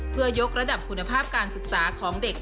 เพื่อยกระดับคุณภาพการศึกษาของเด็ก